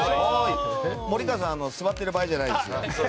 森川さん座っている場合じゃないです。